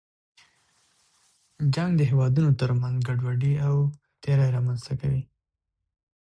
جنګ د هېوادونو تر منځ ګډوډي او تېرې رامنځته کوي.